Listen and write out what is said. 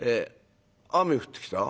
「雨降ってきた」。